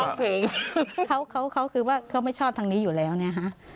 เพลงเขาเขาคือว่าเขาไม่ชอบทางนี้อยู่แล้วเนี่ยฮะ